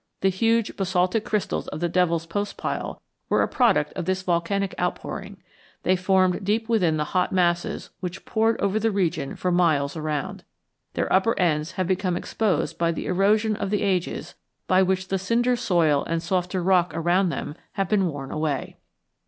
The huge basaltic crystals of the Devil's Postpile were a product of this volcanic outpouring; they formed deep within the hot masses which poured over the region for miles around. Their upper ends have become exposed by the erosion of the ages by which the cinder soil and softer rock around them have been worn away.